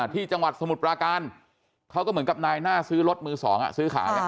ที่จังหวัดสมุทรปราการเขาก็เหมือนกับนายหน้าซื้อรถมือ๒ซื้อขาย